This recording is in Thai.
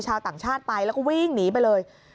ชาวต่างชาติไปแล้วก็วิ่งหนีไปเลย